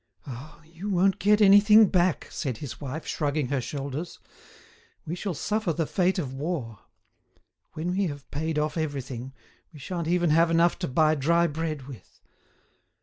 "Ah! you won't get anything back," said his wife, shrugging her shoulders. "We shall suffer the fate of war. When we have paid off everything, we sha'n't even have enough to buy dry bread with.